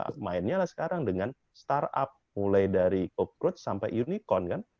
kita mainnya lah sekarang dengan startup mulai dari off road sampai unicorn kan